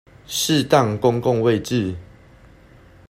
適當公共位置